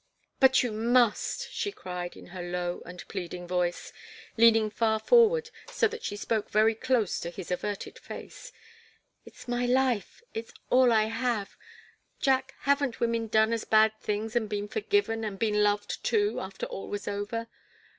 "But you must," she cried in her low and pleading voice, leaning far forward, so that she spoke very close to his averted face. "It's my life it's all I have! Jack haven't women done as bad things and been forgiven and been loved, too, after all was over?